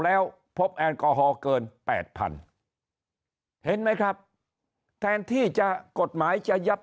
แล้วพบแอลกอฮอลเกิน๘๐๐เห็นไหมครับแทนที่จะกฎหมายจะยับ